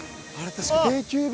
確か定休日。